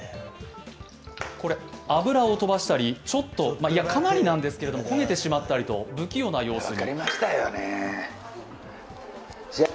油を飛ばしたり、ちょっと、いや、かなりなんですけど、焦げてしまったりと、不器用な様子も。